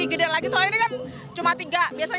soalnya ini kan cuma tiga